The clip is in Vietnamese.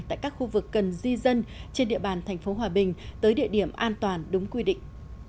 tại các khu vực cần di dân trên địa bàn thành phố hòa bình tới địa điểm an toàn đúng quy định